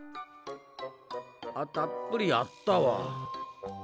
あたっぷりあったわ。